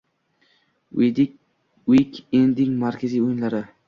Uik-endning markaziy o‘yinlari